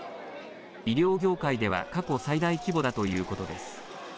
医療業界では過去最大規模だということです。